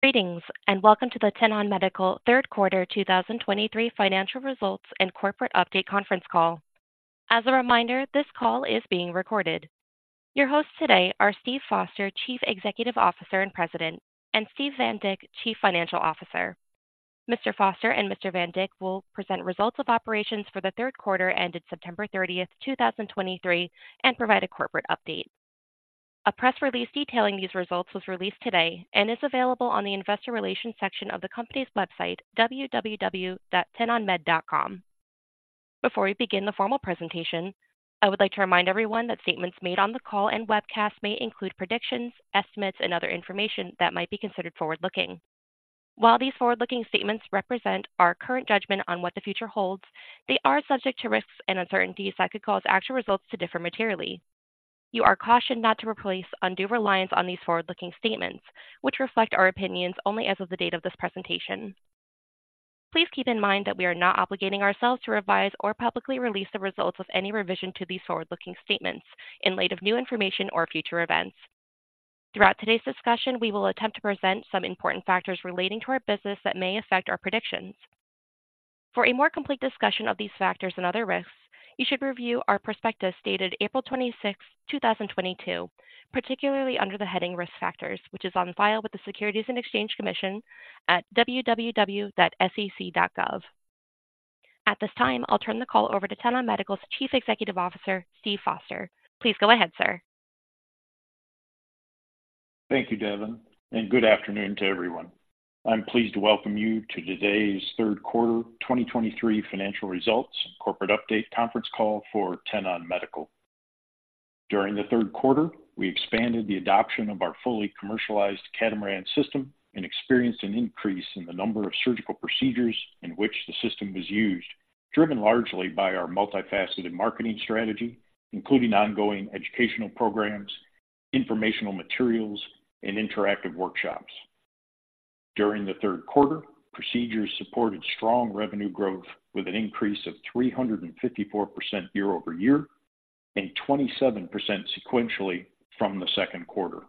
Greetings, and welcome to the Tenon Medical Third Quarter 2023 Financial Results and Corporate Update Conference Call. As a reminder, this call is being recorded. Your hosts today are Steve Foster, Chief Executive Officer and President, and Steve Van Dick, Chief Financial Officer. Mr. Foster and Mr. Van Dick will present results of operations for the third quarter ended September 30, 2023, and provide a corporate update. A press release detailing these results was released today and is available on the investor relations section of the company's website, www.tenonmed.com. Before we begin the formal presentation, I would like to remind everyone that statements made on the call and webcast may include predictions, estimates, and other information that might be considered forward-looking. While these forward-looking statements represent our current judgment on what the future holds, they are subject to risks and uncertainties that could cause actual results to differ materially. You are cautioned not to place undue reliance on these forward-looking statements, which reflect our opinions only as of the date of this presentation. Please keep in mind that we are not obligating ourselves to revise or publicly release the results of any revision to these forward-looking statements in light of new information or future events. Throughout today's discussion, we will attempt to present some important factors relating to our business that may affect our predictions. For a more complete discussion of these factors and other risks, you should review our prospectus dated April 26, 2022, particularly under the heading Risk Factors, which is on file with the Securities and Exchange Commission at www.sec.gov. At this time, I'll turn the call over to Tenon Medical's Chief Executive Officer, Steve Foster. Please go ahead, sir. Thank you, Devin, and good afternoon to everyone. I'm pleased to welcome you to today's third quarter 2023 financial results and corporate update conference call for Tenon Medical. During the third quarter, we expanded the adoption of our fully commercialized Catamaran system and experienced an increase in the number of surgical procedures in which the system was used, driven largely by our multifaceted marketing strategy, including ongoing educational programs, informational materials, and interactive workshops. During the third quarter, procedures supported strong revenue growth with an increase of 354% year-over-year and 27% sequentially from the second quarter.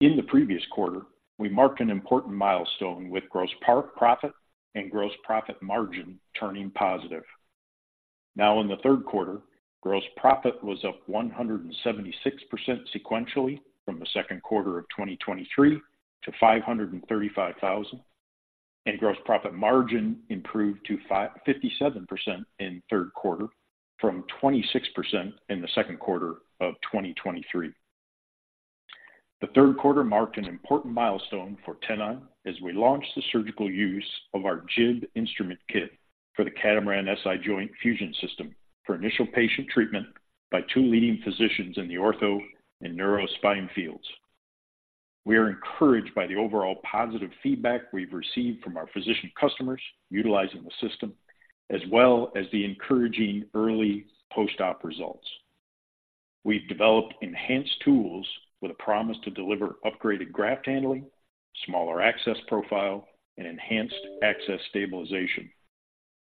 In the previous quarter, we marked an important milestone with gross profit and gross profit margin turning positive. Now, in the third quarter, gross profit was up 176% sequentially from the second quarter of 2023 to $535,000, and gross profit margin improved to fifty-seven percent in third quarter from 26% in the second quarter of 2023. The third quarter marked an important milestone for Tenon as we launched the surgical use of our Jib Instrument Kit for the Catamaran SI Joint Fusion System for initial patient treatment by two leading physicians in the ortho and neurospine fields. We are encouraged by the overall positive feedback we've received from our physician customers utilizing the system, as well as the encouraging early post-op results. We've developed enhanced tools with a promise to deliver upgraded graft handling, smaller access profile, and enhanced access stabilization.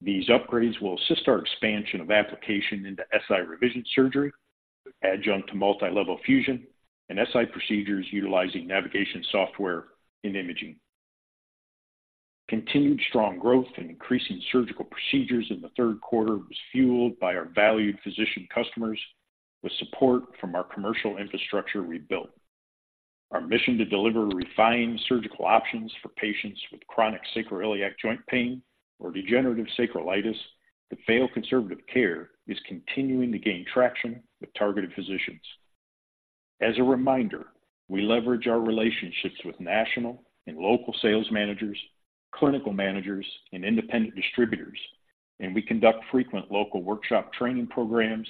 These upgrades will assist our expansion of application into SI revision surgery, adjunct to multi-level fusion, and SI procedures utilizing navigation, software, and imaging. Continued strong growth and increasing surgical procedures in the third quarter was fueled by our valued physician customers with support from our commercial infrastructure we built. Our mission to deliver refined surgical options for patients with chronic sacroiliac joint pain or degenerative sacroiliitis that fail conservative care is continuing to gain traction with targeted physicians. As a reminder, we leverage our relationships with national and local sales managers, clinical managers, and independent distributors, and we conduct frequent local workshop training programs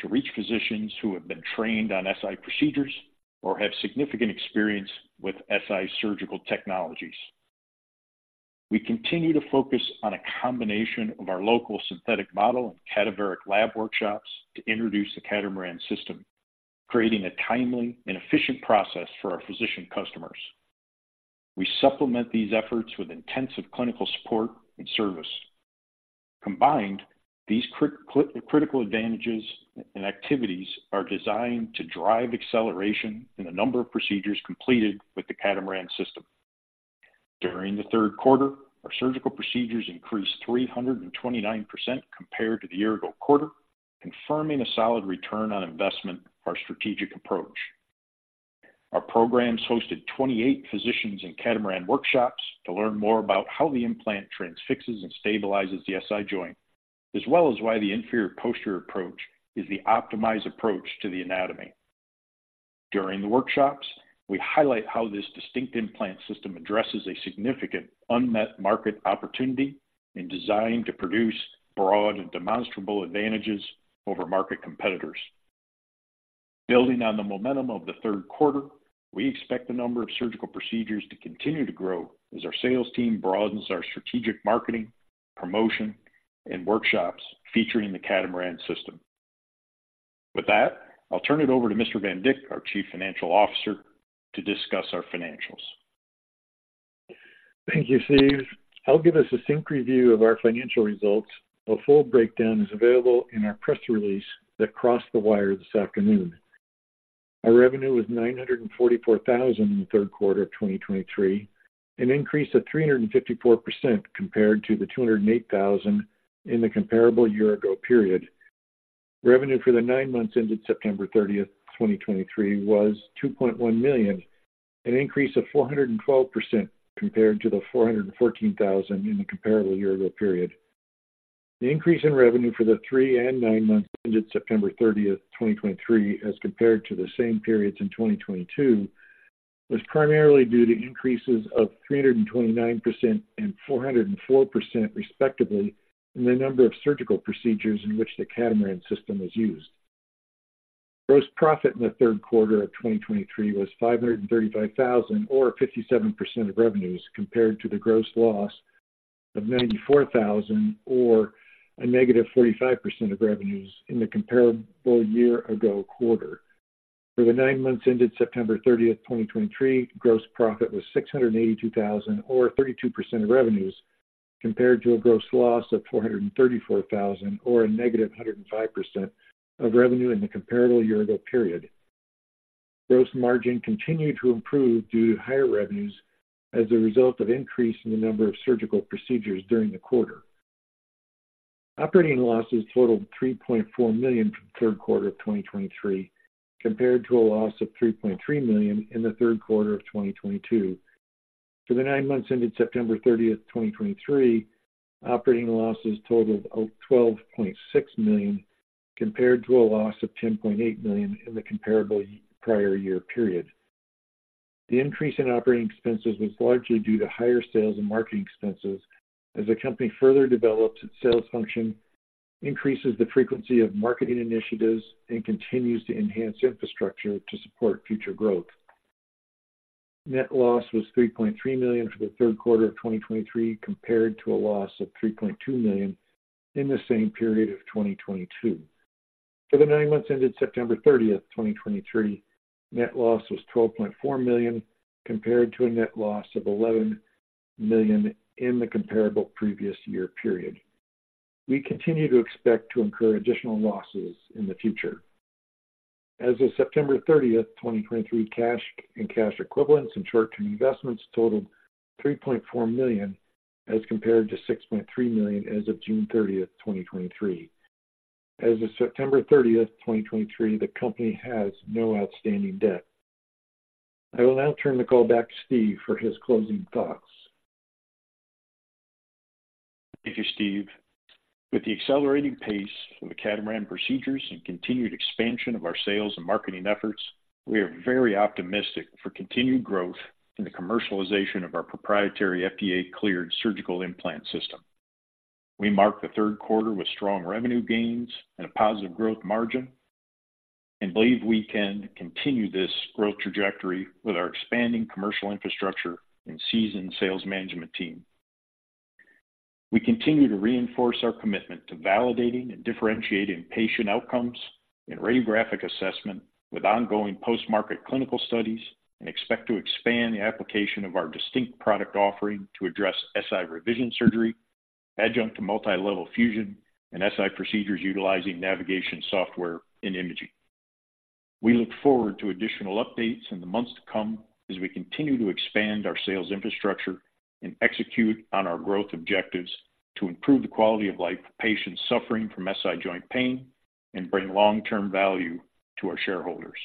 to reach physicians who have been trained on SI procedures or have significant experience with SI surgical technologies. We continue to focus on a combination of our local synthetic model and cadaveric lab workshops to introduce the Catamaran system, creating a timely and efficient process for our physician customers. We supplement these efforts with intensive clinical support and service. Combined, these critical advantages and activities are designed to drive acceleration in the number of procedures completed with the Catamaran system. During the third quarter, our surgical procedures increased 329% compared to the year-ago quarter, confirming a solid return on investment of our strategic approach. Our programs hosted 28 physicians in Catamaran workshops to learn more about how the implant transfixes and stabilizes the SI joint, as well as why the inferior posterior approach is the optimized approach to the anatomy. During the workshops, we highlight how this distinct implant system addresses a significant unmet market opportunity and designed to produce broad and demonstrable advantages over market competitors. Building on the momentum of the third quarter, we expect the number of surgical procedures to continue to grow as our sales team broadens our strategic marketing, promotion, and workshops featuring the Catamaran system. With that, I'll turn it over to Mr. Van Dick, our Chief Financial Officer, to discuss our financials. Thank you, Steve. I'll give us a quick review of our financial results. A full breakdown is available in our press release that crossed the wire this afternoon. Our revenue was $944,000 in the third quarter of 2023, an increase of 354% compared to the $208,000 in the comparable year-ago period. Revenue for the nine months ended September 30, 2023, was $2.1 million, an increase of 412% compared to the $414,000 in the comparable year-ago period. The increase in revenue for the three and nine months ended September 30, 2023, as compared to the same periods in 2022, was primarily due to increases of 329% and 404%, respectively, in the number of surgical procedures in which the Catamaran system was used. Gross profit in the third quarter of 2023 was $535,000, or 57% of revenues, compared to the gross loss of $94,000 or a negative 45% of revenues in the comparable year ago quarter. For the nine months ended September 30, 2023, gross profit was $682,000, or 32% of revenues, compared to a gross loss of $434,000, or a negative 105% of revenue in the comparable year-ago period. Gross margin continued to improve due to higher revenues as a result of increase in the number of surgical procedures during the quarter. Operating losses totaled $3.4 million for the third quarter of 2023, compared to a loss of $3.3 million in the third quarter of 2022. For the nine months ended September 30, 2023, operating losses totaled $12.6 million, compared to a loss of $10.8 million in the comparable prior year period. The increase in operating expenses was largely due to higher sales and marketing expenses as the company further develops its sales function, increases the frequency of marketing initiatives, and continues to enhance infrastructure to support future growth. Net loss was $3.3 million for the third quarter of 2023, compared to a loss of $3.2 million in the same period of 2022. For the nine months ended September 30, 2023, net loss was $12.4 million, compared to a net loss of $11 million in the comparable previous year period. We continue to expect to incur additional losses in the future. As of September 30, 2023, cash and cash equivalents and short-term investments totaled $3.4 million, as compared to $6.3 million as of June 30, 2023. As of September 30, 2023, the company has no outstanding debt. I will now turn the call back to Steve for his closing thoughts. Thank you, Steve. With the accelerating pace of the Catamaran procedures and continued expansion of our sales and marketing efforts, we are very optimistic for continued growth in the commercialization of our proprietary FDA-cleared surgical implant system. We marked the third quarter with strong revenue gains and a positive growth margin and believe we can continue this growth trajectory with our expanding commercial infrastructure and seasoned sales management team. We continue to reinforce our commitment to validating and differentiating patient outcomes and radiographic assessment with ongoing post-market clinical studies, and expect to expand the application of our distinct product offering to address SI revision surgery, adjunct to multi-level fusion, and SI procedures utilizing navigation, software, and imaging. We look forward to additional updates in the months to come as we continue to expand our sales infrastructure and execute on our growth objectives to improve the quality of life for patients suffering from SI joint pain and bring long-term value to our shareholders.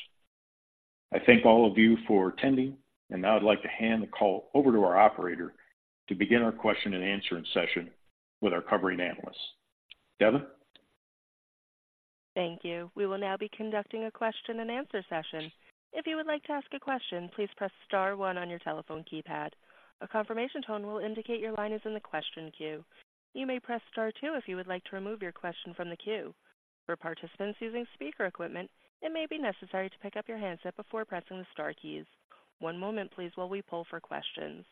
I thank all of you for attending, and now I'd like to hand the call over to our operator to begin our question and answering session with our covering analysts. Devin? Thank you. We will now be conducting a question and answer session. If you would like to ask a question, please press star one on your telephone keypad. A confirmation tone will indicate your line is in the question queue. You may press star two if you would like to remove your question from the queue. For participants using speaker equipment, it may be necessary to pick up your handset before pressing the star keys. One moment, please, while we pull for questions.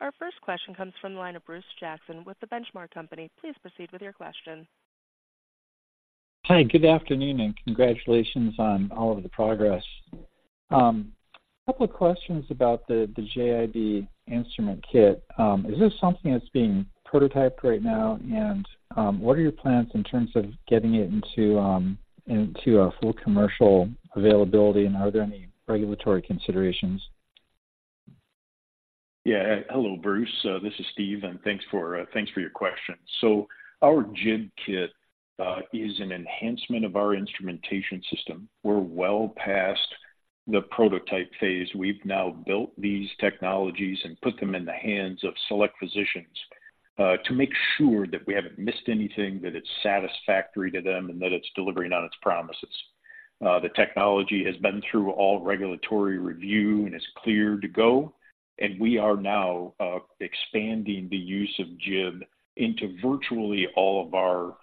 Our first question comes from the line of Bruce Jackson with The Benchmark Company. Please proceed with your question. Hi, good afternoon, and congratulations on all of the progress. A couple of questions about the Jib Instrument Kit. Is this something that's being prototyped right now? And, what are your plans in terms of getting it into full commercial availability and are there any regulatory considerations? Yeah. Hello, Bruce, this is Steve, and thanks for your question. So our Jib kit is an enhancement of our instrumentation system. We're well past the prototype phase. We've now built these technologies and put them in the hands of select physicians to make sure that we haven't missed anything, that it's satisfactory to them, and that it's delivering on its promises. The technology has been through all regulatory review and is clear to go, and we are now expanding the use of Jib into virtually all of our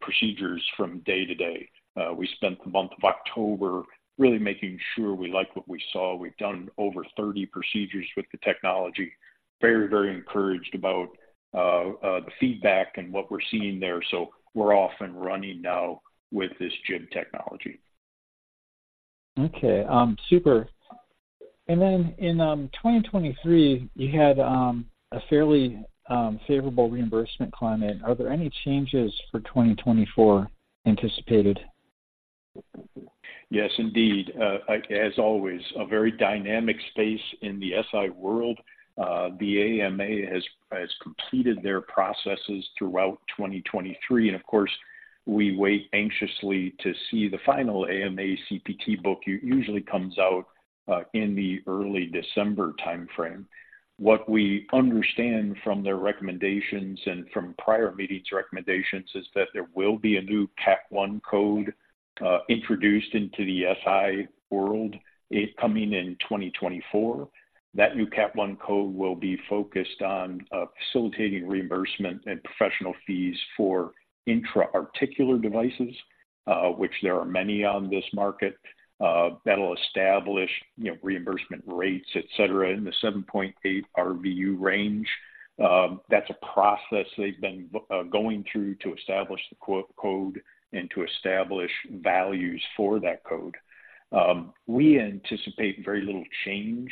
procedures from day-to-day. We spent the month of October really making sure we like what we saw. We've done over 30 procedures with the technology. Very, very encouraged about the feedback and what we're seeing there. So we're off and running now with this Jib technology. Okay, super. And then in 2023, you had a fairly favorable reimbursement climate. Are there any changes for 2024 anticipated? Yes, indeed. As always, a very dynamic space in the SI world. The AMA has completed their processes throughout 2023, and of course, we wait anxiously to see the final AMA CPT book. It usually comes out in the early December timeframe. What we understand from their recommendations and from prior meetings' recommendations is that there will be a new Cat 1 code introduced into the SI world, it coming in 2024. That new Cat 1 code will be focused on facilitating reimbursement and professional fees for intra-articular devices, which there are many on this market. That'll establish, you know, reimbursement rates, et cetera, in the 7.8 RVU range. That's a process they've been going through to establish the CPT code and to establish values for that code. We anticipate very little change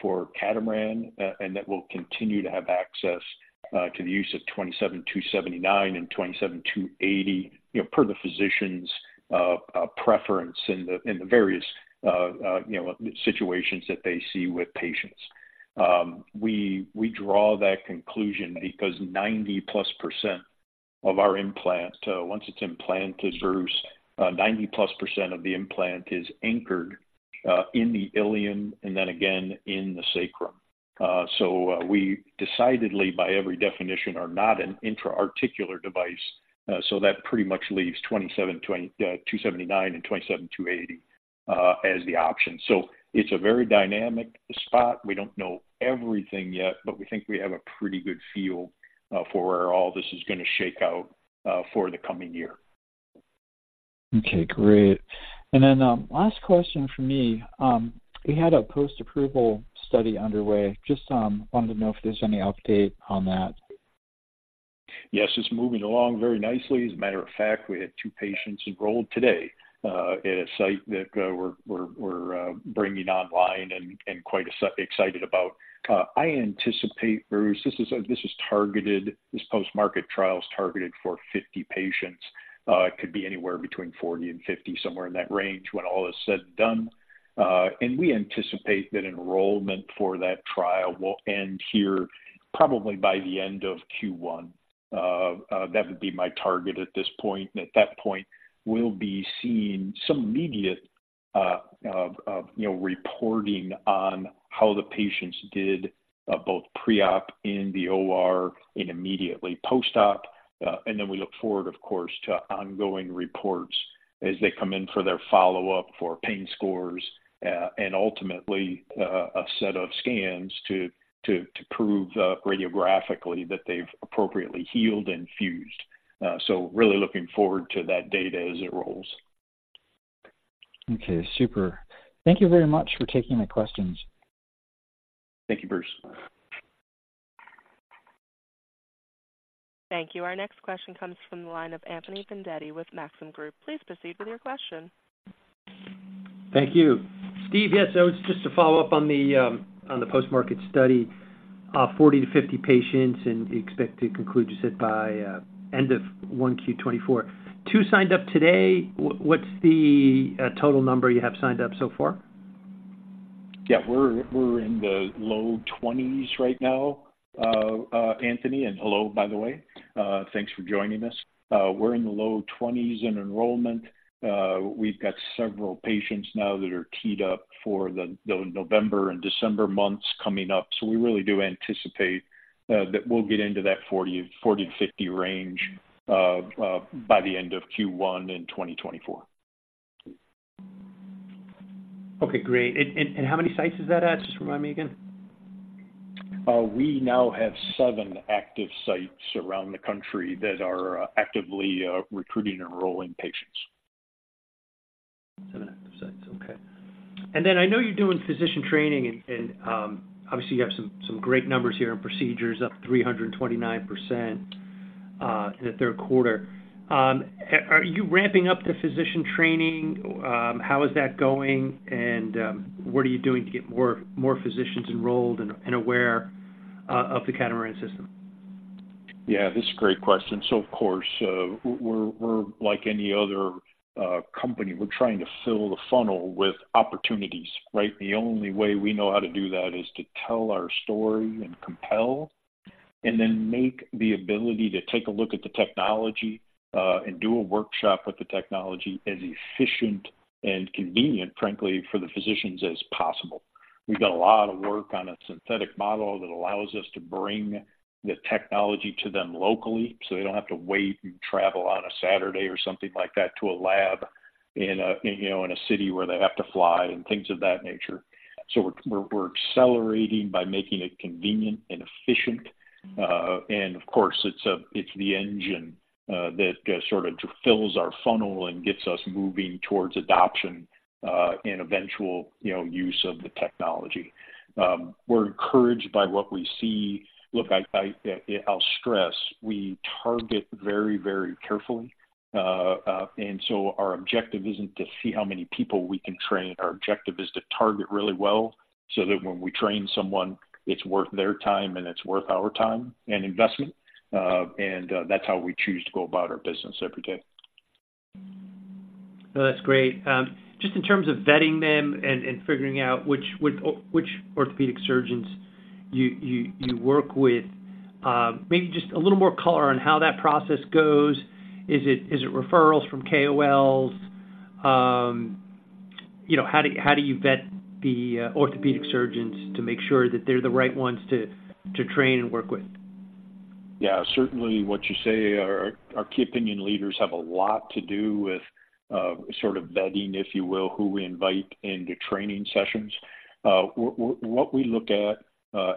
for Catamaran, and that we'll continue to have access to the use of 27279 and 27280, you know, per the physician's preference in the various situations that they see with patients. We draw that conclusion because 90%+ of our implant, once it's implanted, Bruce, 90%+ of the implant is anchored in the ilium and then again in the sacrum. So we decidedly, by every definition, are not an intra-articular device. So that pretty much leaves 27, twenty, 27279 and 27280 as the option. So it's a very dynamic spot. We don't know everything yet, but we think we have a pretty good feel for where all this is going to shake out for the coming year. Okay, great. And then, last question from me. We had a post-approval study underway. Just, wanted to know if there's any update on that. Yes, it's moving along very nicely. As a matter of fact, we had two patients enrolled today at a site that we're bringing online and quite excited about. I anticipate, Bruce, this post-market trial is targeted for 50 patients. It could be anywhere between 40 and 50, somewhere in that range, when all is said and done. And we anticipate that enrollment for that trial will end here probably by the end of Q1. That would be my target at this point. At that point, we'll be seeing some immediate, you know, reporting on how the patients did, both pre-op in the OR and immediately post-op. And then we look forward, of course, to ongoing reports as they come in for their follow-up for pain scores, and ultimately, a set of scans to prove radiographically that they've appropriately healed and fused. So really looking forward to that data as it rolls. Okay, super. Thank you very much for taking my questions. Thank you, Bruce. Thank you. Our next question comes from the line of Anthony Vendetti with Maxim Group. Please proceed with your question. Thank you. Steve. Yes, so just to follow up on the post-market study, 40-50 patients and expect to conclude, you said, by end of 1Q 2024. Two signed up today. What, what's the total number you have signed up so far? Yeah, we're in the low 20s right now, Anthony, and hello, by the way. Thanks for joining us. We're in the low 20s in enrollment. We've got several patients now that are teed up for the November and December months coming up. So we really do anticipate that we'll get into that 40-50 range by the end of Q1 in 2024. Okay, great. And how many sites is that at? Just remind me again. We now have seven active sites around the country that are actively recruiting and enrolling patients. Seven active sites. Okay. And then I know you're doing physician training and obviously you have some great numbers here, and procedures up 329% in the third quarter. Are you ramping up the physician training? How is that going, and what are you doing to get more physicians enrolled and aware of the Catamaran system? Yeah, this is a great question. So of course, we're like any other company. We're trying to fill the funnel with opportunities, right? The only way we know how to do that is to tell our story and compel, and then make the ability to take a look at the technology and do a workshop with the technology as efficient and convenient, frankly, for the physicians as possible. We've done a lot of work on a synthetic model that allows us to bring the technology to them locally, so they don't have to wait and travel on a Saturday or something like that to a lab in a you know in a city where they have to fly and things of that nature. So we're accelerating by making it convenient and efficient. And of course, it's the engine that sort of fills our funnel and gets us moving towards adoption and eventual, you know, use of the technology. We're encouraged by what we see. Look, I'll stress we target very, very carefully, and so our objective isn't to see how many people we can train. Our objective is to target really well, so that when we train someone, it's worth their time and it's worth our time and investment. And that's how we choose to go about our business every day. Well, that's great. Just in terms of vetting them and figuring out which orthopedic surgeons you work with, maybe just a little more color on how that process goes. Is it referrals from KOLs? You know, how do you vet the orthopedic surgeons to make sure that they're the right ones to train and work with? Yeah, certainly what you say, our key opinion leaders have a lot to do with sort of vetting, if you will, who we invite into training sessions. What we look at,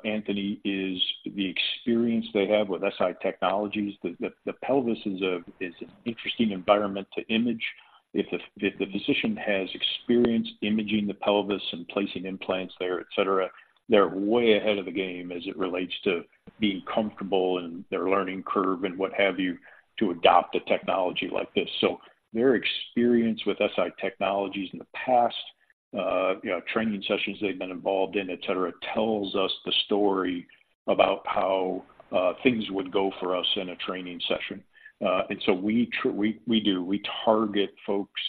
Anthony, is the experience they have with SI technologies. The pelvis is an interesting environment to image. If the physician has experience imaging the pelvis and placing implants there, et cetera, they're way ahead of the game as it relates to being comfortable in their learning curve and what have you, to adopt a technology like this. So their experience with SI technologies in the past, you know, training sessions they've been involved in, et cetera, tells us the story about how things would go for us in a training session. And so we do. We target folks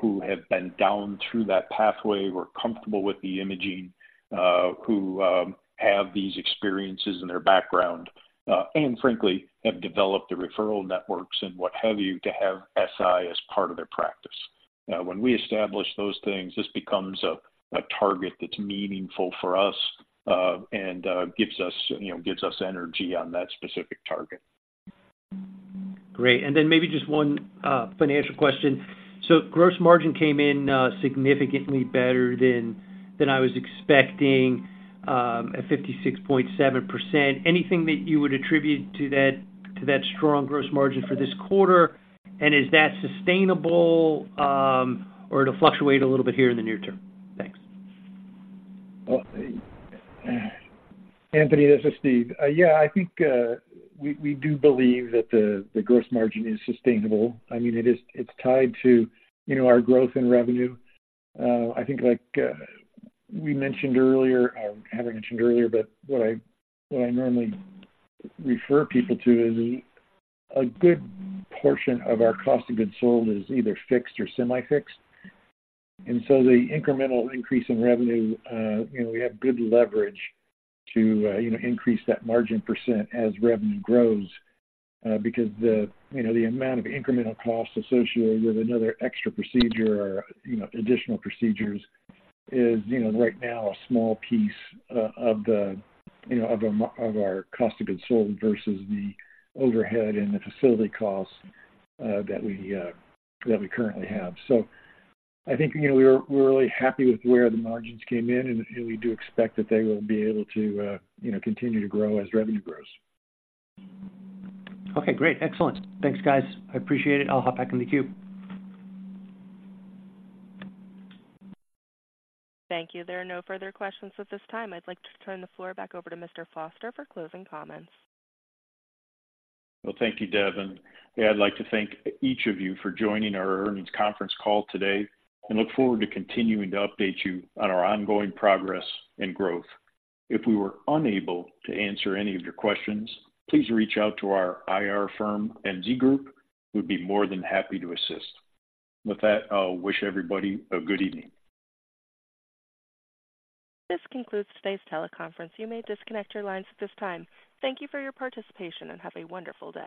who have been down through that pathway or comfortable with the imaging, who have these experiences in their background, and frankly, have developed the referral networks and what have you, to have SI as part of their practice. When we establish those things, this becomes a target that's meaningful for us, and gives us, you know, gives us energy on that specific target. Great. Then maybe just one financial question. So gross margin came in significantly better than I was expecting at 56.7%. Anything that you would attribute to that strong gross margin for this quarter? And is that sustainable, or it'll fluctuate a little bit here in the near term? Thanks. Well, Anthony, this is Steve. Yeah, I think we do believe that the gross margin is sustainable. I mean, it is, it's tied to, you know, our growth in revenue. I think like we mentioned earlier, or haven't mentioned earlier, but what I normally refer people to is a good portion of our cost of goods sold is either fixed or semi-fixed. And so the incremental increase in revenue, you know, we have good leverage to, you know, increase that margin percent as revenue grows. Because the, you know, the amount of incremental costs associated with another extra procedure or, you know, additional procedures is, you know, right now a small piece of the, you know, of our cost of goods sold versus the overhead and the facility costs that we, that we currently have. So I think, you know, we're, we're really happy with where the margins came in, and we do expect that they will be able to, you know, continue to grow as revenue grows. Okay, great. Excellent. Thanks, guys. I appreciate it. I'll hop back in the queue. Thank you. There are no further questions at this time. I'd like to turn the floor back over to Mr. Foster for closing comments. Well, thank you, Devin. I'd like to thank each of you for joining our earnings conference call today, and look forward to continuing to update you on our ongoing progress and growth. If we were unable to answer any of your questions, please reach out to our IR firm, NZ Group. We'd be more than happy to assist. With that, I'll wish everybody a good evening. This concludes today's teleconference. You may disconnect your lines at this time. Thank you for your participation, and have a wonderful day.